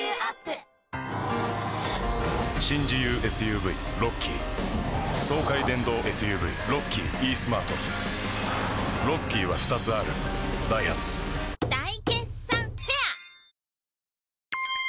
新自由ＳＵＶロッキー爽快電動ＳＵＶロッキーイースマートロッキーは２つあるダイハツ大決算フェア